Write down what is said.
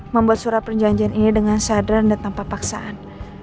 membuat surat perjanjian ini dengan sadar dan tanpa paksaan